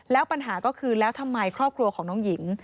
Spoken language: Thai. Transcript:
แล้วปัญหาก็คือแล้วทำไมครอบครัวของน้องหญิง